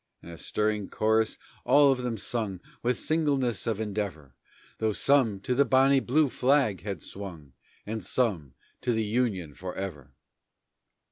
And a stirring chorus all of them sung With singleness of endeavor, Though some to "The Bonny Blue Flag" had swung And some to "The Union For Ever."